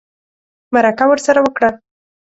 مرکه ورسره وکړه